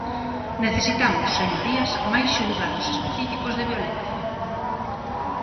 Necesitamos, señorías, máis xulgados específicos de violencia.